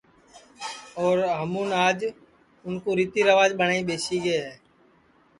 اور ہمون آج اُن کُو ریتی ریوج ٻٹؔائی ٻیسی گئے ہے